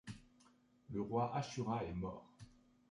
Le Roi Ashura est mort.